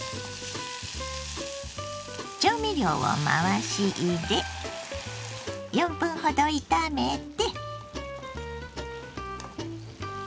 調味料を回し入れ４分ほど炒めて。